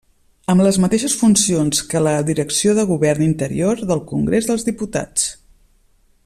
Amb les mateixes funcions que la Direcció de Govern Interior del Congrés dels Diputats.